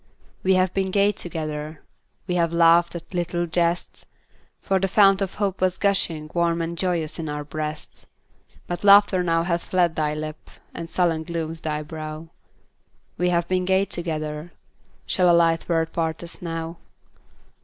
We have been gay together; We have laughed at little jests; For the fount of hope was gushing Warm and joyous in our breasts, But laughter now hath fled thy lip, And sullen glooms thy brow; We have been gay together, Shall a light word part us now?